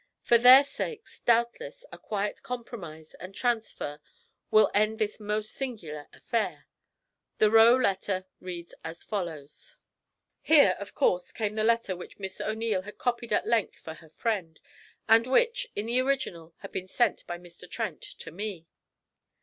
For their sakes, doubtless, a quiet compromise and transfer will end this most singular affair. The "Roe" letter reads as follows.' Here, of course, came the letter which Miss O'Neil had copied at length for her friend, and which, in the original, had been sent by Mr. Trent to me.